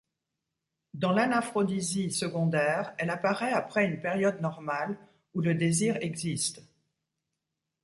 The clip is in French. Dans l'anaphrodisie secondaire, elle apparaît après une période normale, où le désir existe.